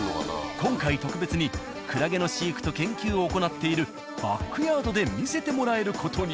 今回特別にクラゲの飼育と研究を行っているバックヤードで見せてもらえる事に。